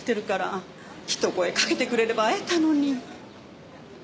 一声かけてくれれば会えたのに。